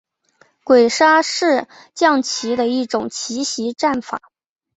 鬼杀是将棋的一种奇袭战法。